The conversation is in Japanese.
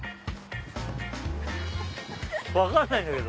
分かんないだけど。